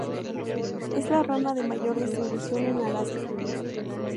Es la rana de mayor distribución en Alaska.